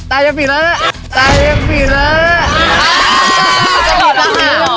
อ้าวจะดีปะฮะ